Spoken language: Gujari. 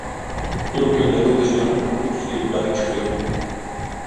یون کہن لگو اُس جنا نا ڈھونڈوں جس نے یوہ جاتک چھوڈیو